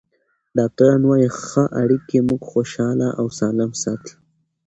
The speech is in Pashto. ډاکټران وايي ښه اړیکې موږ خوشحاله او سالم ساتي.